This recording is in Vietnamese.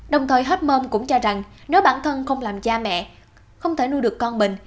đồng thời hắt mơm cũng cho rằng nếu bản thân không làm cha mẹ không thể nuôi được con mình